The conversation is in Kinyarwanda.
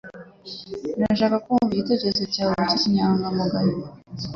Ndashaka kumva igitekerezo cyawe kinyangamugayo